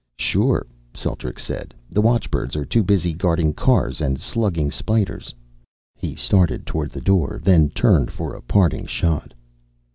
"Sure," Celtrics said. "The watchbirds are too busy guarding cars and slugging spiders." He started toward the door, then turned for a parting shot.